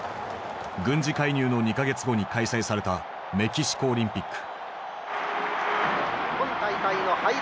軍事介入の２か月後に開催されたメキシコオリンピック。